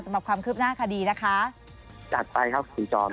จากไปครับคุณจอมขอบคุณมาก